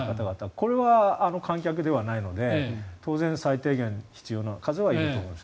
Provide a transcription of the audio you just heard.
これは観客ではないので当然、最低限必要な数は入れると思います。